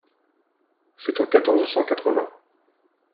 -c’est en quatorze cent quatre-vingt…